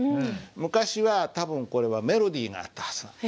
昔は多分これはメロディーがあったはずなんです。